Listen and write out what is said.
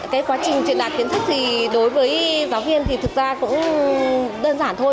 cái quá trình truyền đạt kiến thức thì đối với giáo viên thì thực ra cũng đơn giản thôi